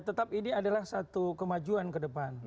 tetap ini adalah satu kemajuan ke depan